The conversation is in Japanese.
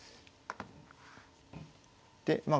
でまあ